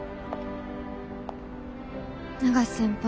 永瀬先輩